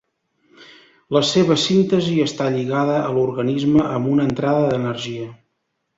La seva síntesi està lligada a l'organisme amb una entrada d'energia.